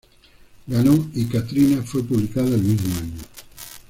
Ganó y "Katrina" fue publicada el mismo año.